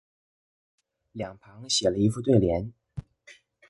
兩旁寫了一副對聯